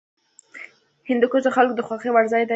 هندوکش د خلکو د خوښې وړ ځای دی.